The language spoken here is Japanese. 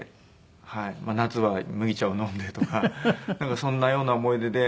夏は麦茶を飲んでとかそんなような思い出で。